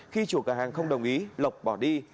khi chủ cửa hàng không đồng ý lộc bỏ đi